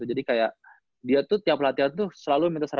jadi kayak dia tuh tiap latihan tuh selalu seratus